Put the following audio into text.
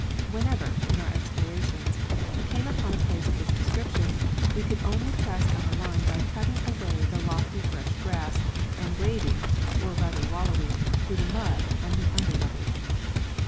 Whenever, in our explorations, we came upon a place of this description we could only pass our line by cutting away the lofty fresh grass and wading (or rather wallowing) through the mud and the under rubbish.